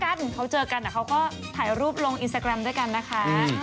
ถ้าเกิดเหมือนเขาเจอกันเขาก็ถ่ายรูปลงอินสตาแกรมด้วยกันนะคะ